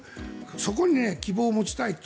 そこに希望を持ちたいと。